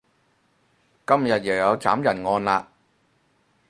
今日又有斬人案喇